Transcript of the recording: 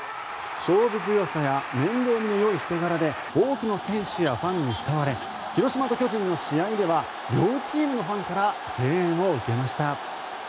勝負強さや面倒見のよい人柄で多くの選手やファンに慕われ広島と巨人の試合では両チームのファンから声援を受けました。